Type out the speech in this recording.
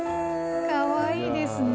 かわいいですね。